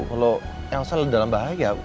kalau yang selalu dalam bahaya